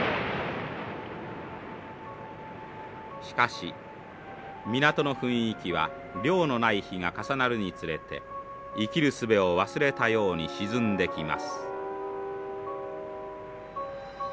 しかし港の雰囲気は漁のない日が重なるにつれて生きるすべを忘れたように沈んできます。